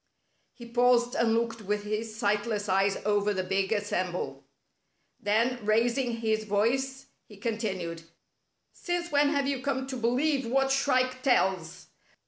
' He paused, and looked with his sightless eyes over the big assemble. Then, raising his voice, he continued: " Since when have you come to be lieve what Shrike tells